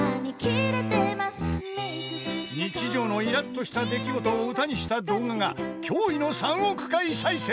［日常のイラッとした出来事を歌にした動画が驚異の３億回再生］